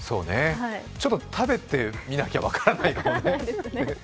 ちょっと食べてみなきゃ分からないよね。